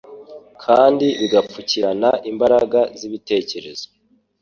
kandi bigapfukirana imbaraga z’ibitekerezo.